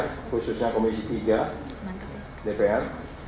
khususnya komisi tiga dpr